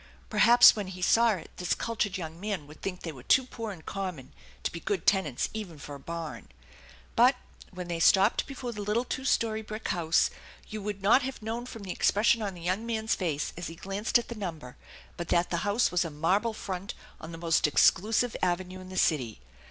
Perhaps when he saw it this cultured young man would think they were too poor and common to be good tenants even for a barn. But, when they stopped before the little two story brick house, you would not have known from the expression on the young man's face as he glanced at the number but that the house was a marble front on the most exclusive avenue in the city.